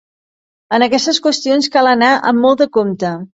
En aquestes qüestions cal anar amb molt de compte.